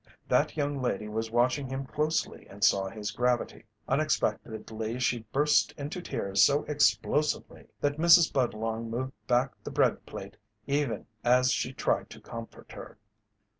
That young lady was watching him closely and saw his gravity. Unexpectedly she burst into tears so explosively that Mrs. Budlong moved back the bread plate even as she tried to comfort her.